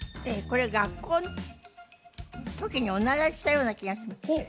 これ学校の時にお習いしたような気がします